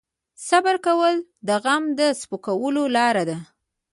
صبر کول د غم د سپکولو لاره ده.